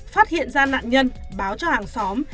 phát hiện ra nạn nhân báo cho hàng xóm